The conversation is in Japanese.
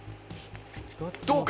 どうか？